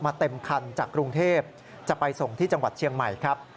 เต็มคันจากกรุงเทพจะไปส่งที่จังหวัดเชียงใหม่ครับ